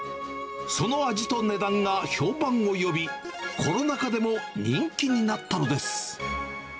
その味と値段が評判を呼び、コロナ禍でも人気になったのです。